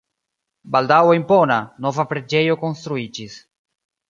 Baldaŭe impona, nova preĝejo konstruiĝis.